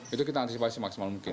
itu kita antisipasi semaksimal mungkin